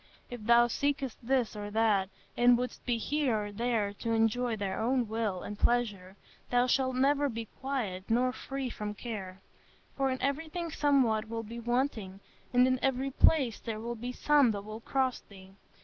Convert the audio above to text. If thou seekest this or that, and wouldst be here or there to enjoy thy own will and pleasure, thou shalt never be quiet nor free from care; for in everything somewhat will be wanting, and in every place there will be some that will cross thee....